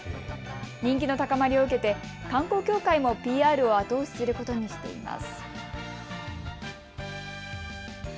人気の高まりを受けて観光協会もＰＲを後押しすることにしています。